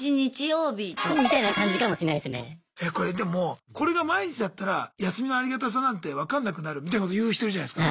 これでもこれが毎日だったら休みのありがたさなんて分かんなくなるみたいなこと言う人いるじゃないすか。